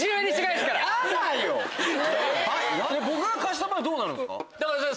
僕が貸した場合どうなるんすか？